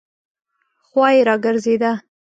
خوا یې راګرځېده.